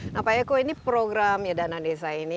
nah pak eko ini program ya dana desa ini